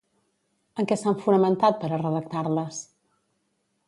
En què s'han fonamentat per a redactar-les?